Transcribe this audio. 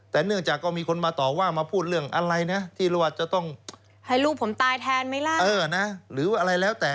แต่เนื่องจากก็มีคนมาต่อว่ามาพูดเรื่องอะไรนะที่เราอาจจะต้องให้ลูกผมตายแทนไหมล่ะเออนะหรือว่าอะไรแล้วแต่